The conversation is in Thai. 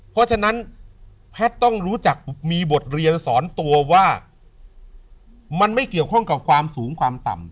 เพราะฉะนั้นแพทย์ต้องรู้จักมีบทเรียนสอนตัวว่ามันไม่เกี่ยวข้องกับความสูงความต่ำ